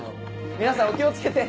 皆さんお気をつけて。